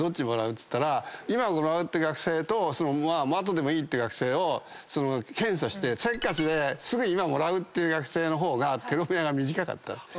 っつったら今もらうって学生と後でもいいって学生を検査してせっかちですぐ今もらうって学生の方がテロメアが短かった。